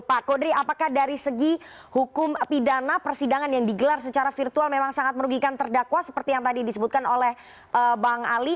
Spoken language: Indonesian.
pak kodri apakah dari segi hukum pidana persidangan yang digelar secara virtual memang sangat merugikan terdakwa seperti yang tadi disebutkan oleh bang ali